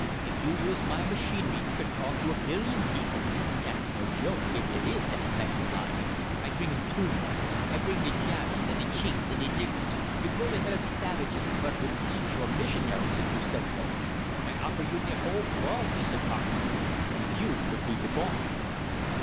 If you use my machinery, you can talk to a billion people. Dat's no joke if dey is dat many alive, I bring 'em to you; I bring de Japs and de Chinks and de niggers de vooly headed savages vot vould eat your missionaries if you sent 'em. I offer you de whole vorld, Mr. Carpenter; and you vould be de boss!"